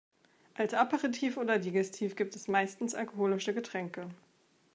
Als Aperitif oder Digestif gibt es meistens alkoholische Getränke.